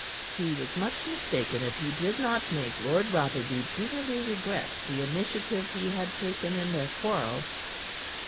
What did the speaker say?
He was much mistaken if he did not make Lord Rotherby bitterly regret the initiative he had taken in their quarrel.